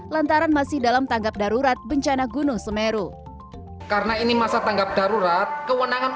lantaran masih dalam tanggap darurat bencana gunung semeru karena ini masa tanggap darurat kewenangan